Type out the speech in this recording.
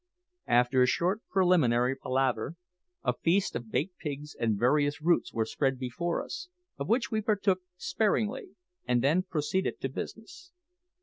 After a short preliminary palaver, a feast of baked pigs and various roots was spread before us, of which we partook sparingly, and then proceeded to business.